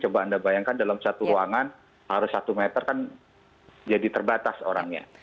coba anda bayangkan dalam satu ruangan harus satu meter kan jadi terbatas orangnya